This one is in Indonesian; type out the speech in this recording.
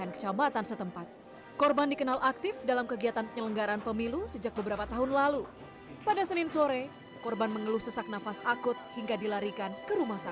ketua tps sembilan desa gondorio ini diduga meninggal akibat penghitungan suara selama dua hari lamanya